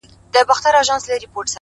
گرا ني خبري سوې پرې نه پوهېږم’